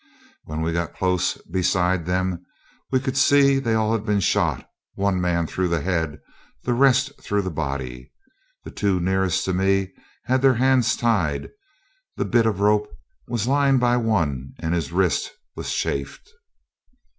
When we got close beside them we could see they had all been shot one man through the head, the rest through the body. The two nearest to me had had their hands tied; the bit of rope was lying by one and his wrist was chafed.